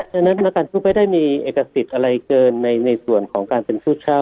ฉะนั้นนักการทูปไม่ได้มีเอกสิทธิ์อะไรเกินในส่วนของการเป็นผู้เช่า